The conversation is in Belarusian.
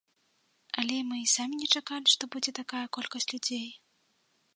Але мы і самі не чакалі, што будзе такая колькасць людзей.